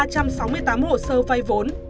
ba trăm sáu mươi tám hồ sơ vai vốn